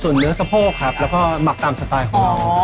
ส่วนเนื้อสะโพกครับแล้วก็หมักตามสไตล์ของเรา